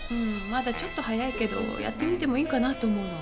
まだちょっと早いけどやってみてもいいかなと思うの。